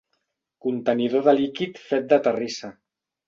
Contenidor de líquid fet de terrissa.